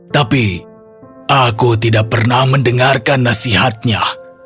tapi aku tidak pernah mendengarkan nasihatnya